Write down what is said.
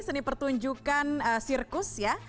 seni pertunjukan sirkus ya